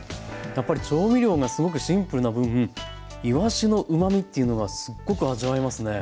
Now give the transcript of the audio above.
やっぱり調味料がすごくシンプルな分いわしのうまみっていうのがすっごく味わえますね。